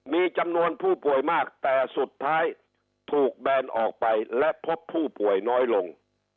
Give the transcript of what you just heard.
มีจำนวนผู้ป่วยมากแต่สุดท้ายถูกแบนออกไปและพบผู้ป่วยน้อยลง